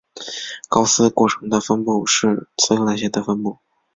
高斯过程的分布是所有那些的分布。